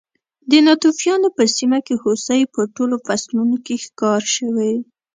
د ناتوفیانو په سیمه کې هوسۍ په ټولو فصلونو کې ښکار شوې.